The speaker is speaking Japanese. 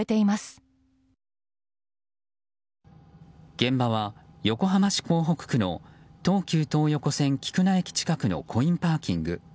現場は横浜市港北区の東急東横線菊名駅近くのコインパーキング。